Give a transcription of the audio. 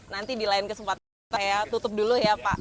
nanti di lain kesempatan kita ya tutup dulu ya pak